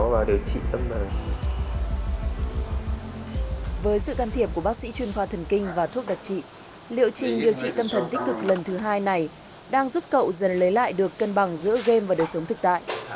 với sự can thiệp của bác sĩ chuyên khoa thần kinh và thuốc đặc trị liệu trình điều trị tâm thần tích cực lần thứ hai này đang giúp cậu dần lấy lại được cân bằng giữa game và đời sống thực tại